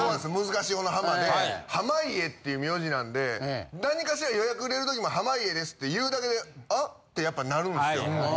難しいほうのハマで濱家っていう名字なんで何かしら予約入れる時も濱家ですって言うだけであってやっぱなるんすよ。